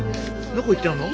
どこ行っちゃうの？